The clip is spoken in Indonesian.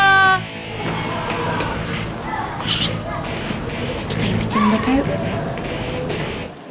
shh kita intik jembatan yuk